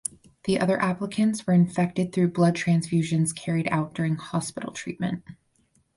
The other applicants were infected through blood transfusions carried out during hospital treatment.